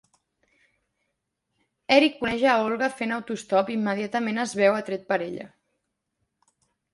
Eric coneix a Olga fent autoestop i immediatament es veu atret per ella.